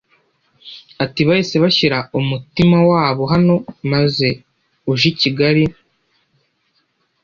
Ati “Bahise bashyira umutima wabo hano maze uje i Kigali